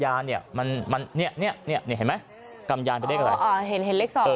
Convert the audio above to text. เนี่ยมันมันเนี่ยเนี่ยเห็นไหมกำยานเป็นเลขอะไรอ๋อเห็นเห็นเลขสอง